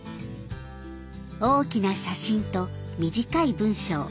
大きな写真と短い文章。